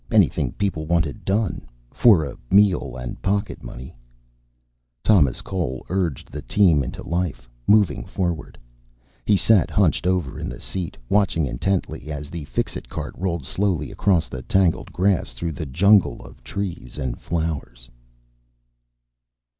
Anything people wanted done. For a meal and pocket money. Thomas Cole urged the team into life, moving forward. He sat hunched over in the seat, watching intently, as the Fixit cart rolled slowly across the tangled grass, through the jungle of trees and flowers.